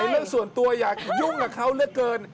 เรื่องส่วนตัวอยากยุ่งกับเขาเหลือเกิน